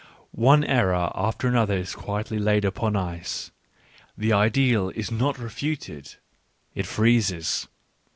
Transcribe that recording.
One error after the other is quietly laid upon ice; the ideal is not refuted — it freezes.